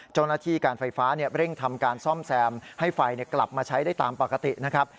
เจ้าหน้าที่การไฟฟ้าเร่งทำการซ่อมแซมให้ไฟกลับมาใช้ได้ตามปกตินะครับ